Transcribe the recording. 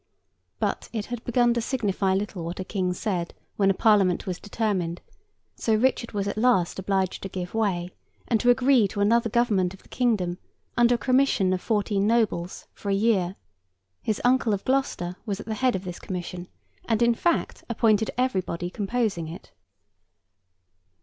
But, it had begun to signify little what a King said when a Parliament was determined; so Richard was at last obliged to give way, and to agree to another Government of the kingdom, under a commission of fourteen nobles, for a year. His uncle of Gloucester was at the head of this commission, and, in fact, appointed everybody composing it.